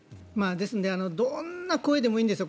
ですのでどんな声でもいいんです。